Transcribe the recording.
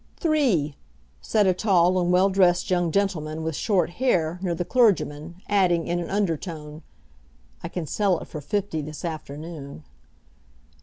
"Three," said a tall and well dressed young gentleman with short hair, near the clergyman, adding, in an undertone, "I can sell it for fifty this afternoon."